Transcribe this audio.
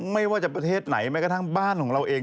ไม่ว่าประเทศไหนไม่ว่าทั้งบ้านของเราเอง